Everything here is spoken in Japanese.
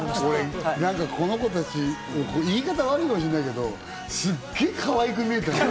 この子たち、言い方悪いかもしれないけど、すげえかわいく見えた！